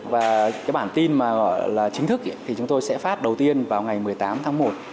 và cái bản tin mà gọi là chính thức thì chúng tôi sẽ phát đầu tiên vào ngày một mươi tám tháng một